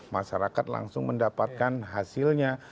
masyarakat langsung mendapatkan hasilnya